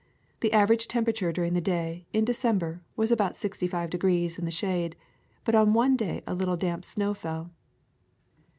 The average temperature during the day, in De cember, was about sixty five degrees in the shade, but on one day a little damp snow fell.